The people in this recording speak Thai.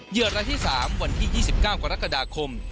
เหยื่อรายที่๓วันที่๒๙กรกฎาคม